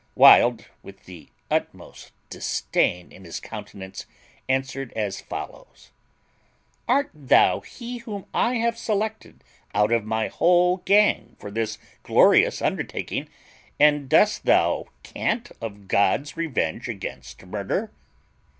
Wild, with the utmost disdain in his countenance, answered as follows: "Art thou he whom I have selected out of my whole gang for this glorious undertaking, and dost thou cant of God's revenge against murder?